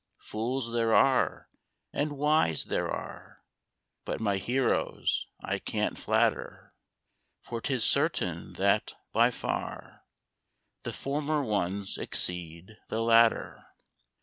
Fools there are, and wise there are, But my heroes I can't flatter; For 'tis certain that, by far, The former ones exceed the latter.